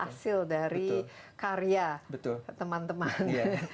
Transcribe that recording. hasil dari karya teman teman